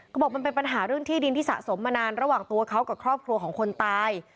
บอกมันเป็นปัญหาเรื่องที่ดินที่สะสมมานานระหว่างตัวเขากับครอบครัวของคนตาย